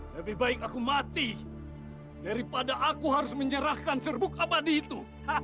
lebih baik aku mati daripada aku harus menyerahkan serbuk abadi itu